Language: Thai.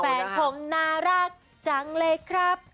แฟนผมน่ารักจังเลยครับ